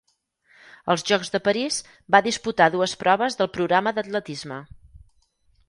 Als Jocs de París, va disputar dues proves del programa d'atletisme.